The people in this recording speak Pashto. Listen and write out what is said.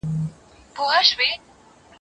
هيڅ چا د مور په نس کي شى نه دئ زده کری.